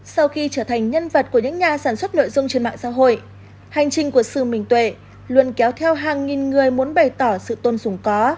sau khi trở thành nhân vật của những nhà sản xuất nội dung trên mạng xã hội hành trình của sư minh tuệ luôn kéo theo hàng nghìn người muốn bày tỏ sự tôn dùng có